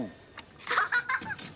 ハハハハ！